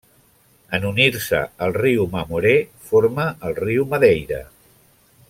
En unir-se al riu Mamoré forma el riu Madeira.